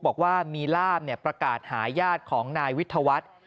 บอกว่ามีร่ามเนี่ยประกาศหายาดของนายวิทยาวัฒน์